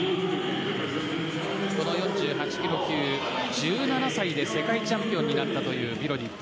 この４８ｋｇ級、１７歳で世界チャンピオンになったビロディッド。